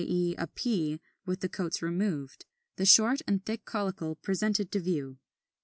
e. a pea with the coats removed; the short and thick caulicle presented to view.